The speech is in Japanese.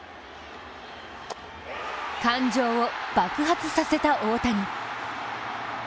感情を爆発させた大谷。